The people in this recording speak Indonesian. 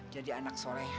jadi anak soleh